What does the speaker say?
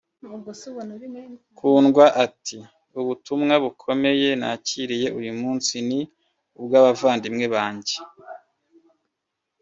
Kundwa ati “Ubutumwa bukomeye nakiriye uyu munsi ni ubw’abavandimwe banjye